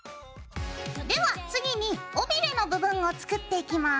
では次に尾びれの部分を作っていきます。